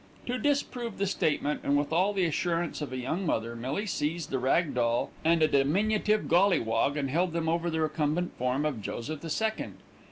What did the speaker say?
To disprove the statement, and with all the assurance of a young mother, Millie seized the rag doll and a diminutive golliwog, and held them over the recumbent form of Joseph the Second.